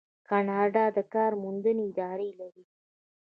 کاناډا د کار موندنې ادارې لري.